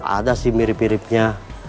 ada sih mirip miripnya